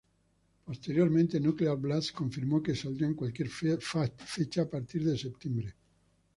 Posteriormente Nuclear Blast confirmó que saldría en cualquier fecha a partir de septiembre.